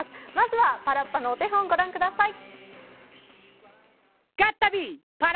まずは、パラッパのお手本ご覧ください。